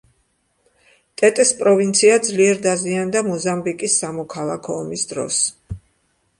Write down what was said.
ტეტეს პროვინცია ძლიერ დაზიანდა მოზამბიკის სამოქალაქო ომის დროს.